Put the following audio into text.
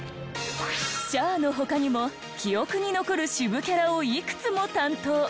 シャアの他にも記憶に残る渋キャラをいくつも担当。